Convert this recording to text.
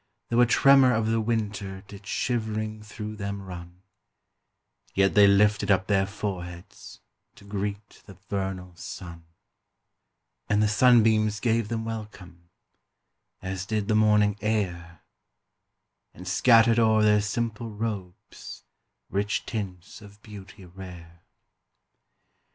5 Though a tremor of the winter Did shivering through them run; Yet they lifted up their foreheads To greet the vernal sun. And the sunbeams gave them welcome. As did the morning air And scattered o'er their simple robes Rich tints of beauty rare.